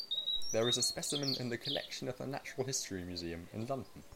There is a specimen in the collection of the Natural History Museum in London.